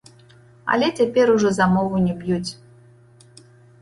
Але цяпер ужо за мову не б'юць.